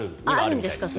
あるんですか。